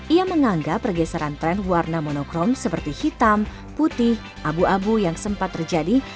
ia menganggap pergeseran tren warna monokrom seperti hitam putih abu abu yang sempat terjadi